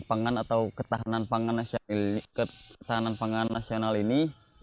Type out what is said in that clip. pangan atau ketahanan pangan nasional ini